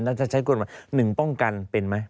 แล้วถ้าใช้กฎหมาย๑ป้องกันเป็นไหม